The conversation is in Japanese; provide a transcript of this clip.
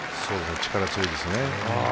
力強いですね。